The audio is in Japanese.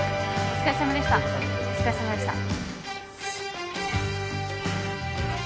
お疲れさまでした。